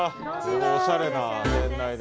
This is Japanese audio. おしゃれな店内で。